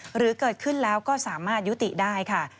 หรือเกิดขึ้นแล้วก็สามารถยุติได้ค่ะ